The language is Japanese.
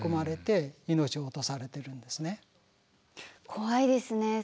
怖いですね。